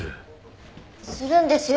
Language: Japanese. するんですよ